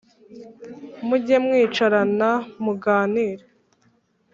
mujye mwicarana muganire